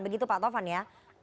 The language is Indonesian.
begitu pak tovan ya